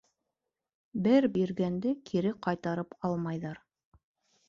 Бер биргәнде кире ҡайтарып алмайҙар.